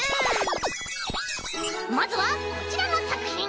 まずはこちらのさくひん！